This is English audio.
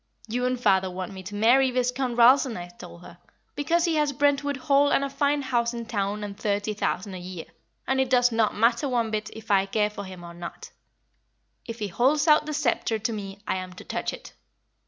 'You and father want me to marry Viscount Ralston,' I told her, 'because he has Brentwood Hall and a fine house in town and thirty thousand a year, and it does not matter one bit if I care for him or not; if he holds out the sceptre to me I am to touch it.'